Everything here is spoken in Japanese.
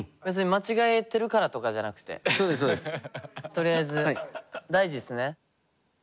とりあえず大事っすね。